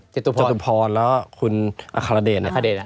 จตุพรแล้วคุณอคารเดชน์